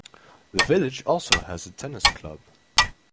The village also has a tennis club.